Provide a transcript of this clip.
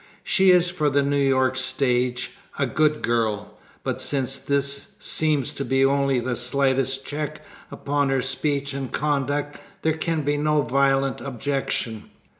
She is for the New York stage "a good girl," but since this seems to be only the slightest check upon her speech and conduct, there can be no violent objection.